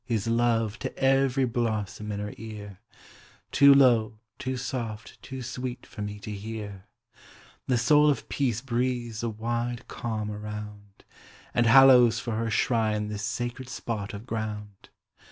His love to every blossom in her ear, Too low, too soft, too sweet for me to hear ! The soiil of Peace breathes a wide calm around, And hallows for her shrine this sacred spot of ground.